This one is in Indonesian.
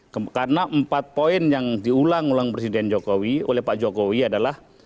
karena empat poin yang diulang ulang presiden jokowi oleh pak jokowi adalah